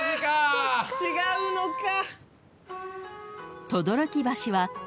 ・違うのか。